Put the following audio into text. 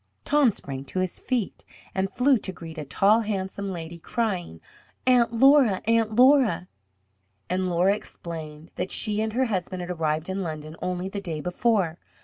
Tom sprang to his feet, and flew to greet a tall, handsome lady, crying, "Aunt Laura! Aunt Laura!" And Laura explained that she and her husband had arrived in London only the day before.